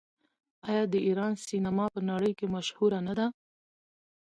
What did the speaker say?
آیا د ایران سینما په نړۍ کې مشهوره نه ده؟